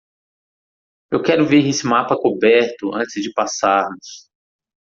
Eu quero ver esse mapa coberto antes de passarmos!